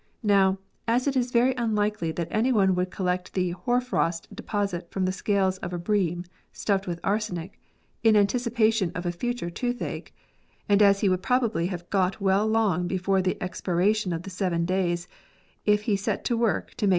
Now, as it is very unlikely that any one would collect the " hoar frost " deposit from the scales of a bream stuffed with arsenic, in anticipation of a future toothache, and as he would probably have got well long before the ex piration of the seven days if he set to work to make 34 DENTISTRY.